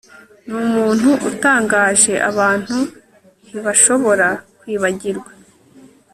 Numuntu utangaje abantu ntibashobora kwibagirwa